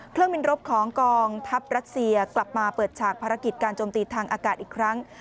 เครื่องบินรบของกองทัพรัสเซียกลับมาเปิดฉากภารกิจการโจมตีทางอากาศอีกครั้ง